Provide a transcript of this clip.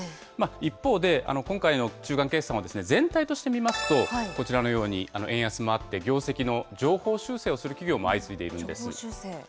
一方で、今回の中間決算は全体として見ますと、こちらのように、円安もあって、業績の上方修正をする企業も相次いでいるんです。